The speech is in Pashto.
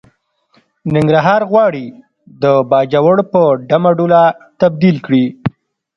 ننګرهار غواړي د باجوړ په ډمه ډوله تبديل کړي.